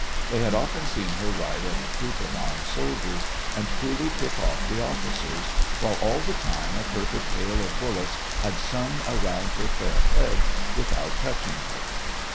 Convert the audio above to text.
They had often seen her ride at a troop of armed soldiers and coolly pick off the officers, while all the time a perfect hail of bullets had sung around her fair head without touching her.